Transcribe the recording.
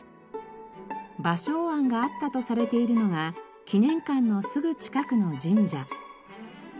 芭蕉庵があったとされているのが記念館のすぐ近くの神社。